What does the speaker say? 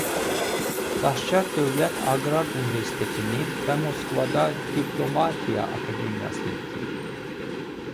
Daşkənd Dövlət Aqrar Universitetini və Moskvada Diplomatiya Akademiyasını bitirib.